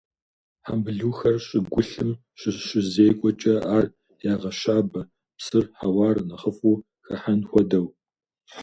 Хьэмбылухэр щӀыгулъым щыщызекӀуэкӀэ, ар ягъэщабэ, псыр, хьэуар нэхъыфӀу хыхьэн хуэдэу.